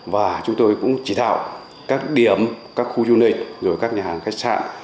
và chúng tôi cũng chỉ đạo các điểm các khu du lịch rồi các nhà hàng khách sạn